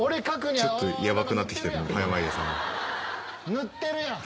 塗ってるやん。